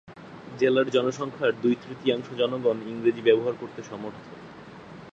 জেলার জনসংখ্যার দুই-তৃতীয়াংশ জনগণ ইংরেজি ব্যবহার করতে সমর্থ।